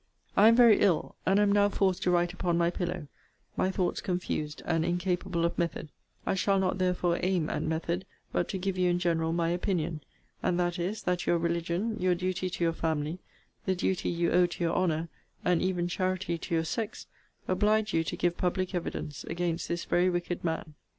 I am very ill; and am now forced to write upon my pillow; my thoughts confused; and incapable of method: I shall not therefore aim at method: but to give you in general my opinion and that is, that your religion, your duty to your family, the duty you owe to your honour, and even charity to your sex, oblige you to give public evidence against this very wicked man.